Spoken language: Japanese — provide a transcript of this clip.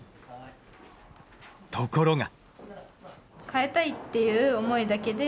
ところが。